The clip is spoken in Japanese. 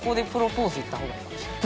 いった方がいいかもしれない。